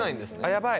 やばい